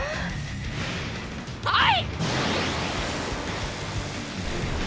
はい！！